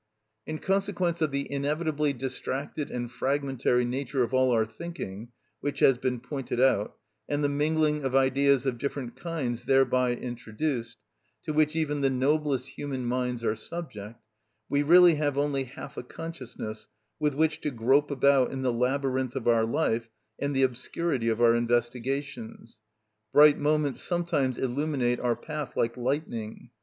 In consequence of the inevitably distracted and fragmentary nature of all our thinking, which has been pointed out, and the mingling of ideas of different kinds thereby introduced, to which even the noblest human minds are subject, we really have only half a consciousness with which to grope about in the labyrinth of our life and the obscurity of our investigations; bright moments sometimes illuminate our path like lightning.